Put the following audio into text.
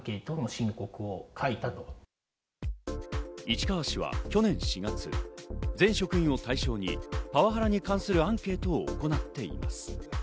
市川市は去年４月、全職員を対象にパワハラに関するアンケートを行っているのです。